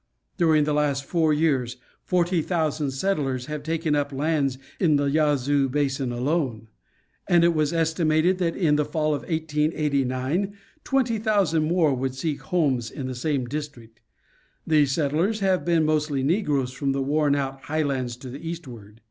During the last four years, forty thou Geography of the Land. 45 sand settlers have taken up lands in the Yazos basin alone, and it was estimated that in the fall of 1889 twenty thousand more would seek homes in the same district. These settlers have been mostly negroes from the worn out high lands to the eastward.